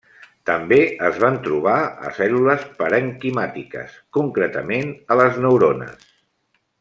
També es van trobar a cèl·lules parenquimàtiques, concretament a les neurones.